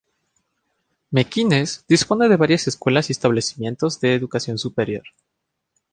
Mequinez dispone de varias escuelas y establecimientos de educación superior.